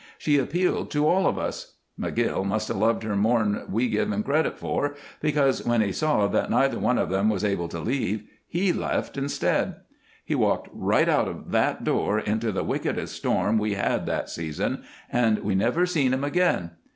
She appealed to all of us. McGill must have loved her more 'n we give him credit for, because when he saw that neither one of 'em was able to leave, he left instead. He walked right out of that door into the wickedest storm we had that season, and we never seen him again.